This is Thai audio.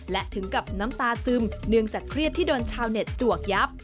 และถึงกับน้ำตาซึมเนื่องจากเครียดที่โดนชาวเน็ตจวกยับ